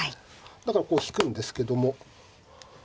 だからこう引くんですけども。